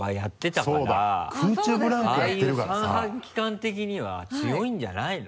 ああいう三半規管的には強いんじゃないの？